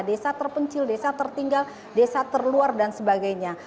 desa terpencil desa tertinggal desa terluar dan sebagainya